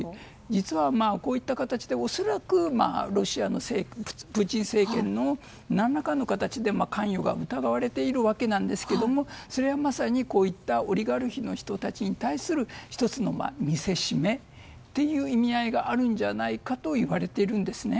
実は、こういった形で恐らくロシアのプーチン政権の何らかの形で関与が疑われているわけなんですがそれはまさに、こういったオリガルヒの人たちに対する１つの見せしめという意味合いがあるんじゃないかといわれているんですね。